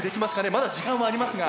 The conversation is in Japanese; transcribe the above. まだ時間はありますが。